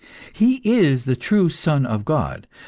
He is the true Son of God.